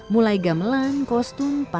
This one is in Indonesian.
mulai gamelan kostum perut dan perut